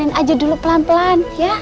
masih dulu pelan pelan ya